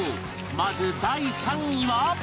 まず第３位は